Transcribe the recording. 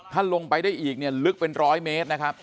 ถ้าลงไปได้อีกเนี่ยลึกเป็นร้อยเมตรนะครับ